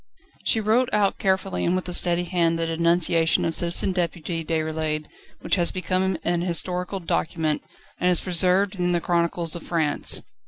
She wrote out carefully and with a steady hand the denunciation of Citizen Deputy Déroulède which has become an historical document, and is preserved in the chronicles of France.